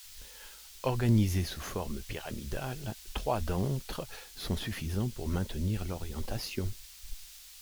Organisés sous forme pyramidale, trois d'entre sont suffisants pour maintenir l'orientation.